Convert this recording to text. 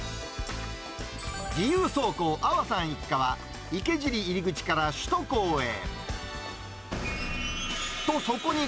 自由走行、安和さん一家は、池尻入り口から首都高へ。